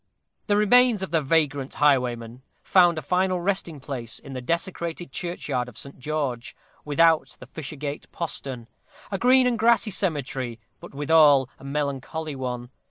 The remains of the vagrant highwayman found a final resting place in the desecrated churchyard of Saint George, without the Fishergate postern, a green and grassy cemetery, but withal a melancholy one.